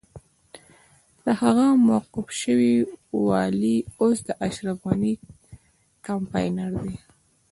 دغه موقوف شوی والي اوس د اشرف غني کمپاينر دی.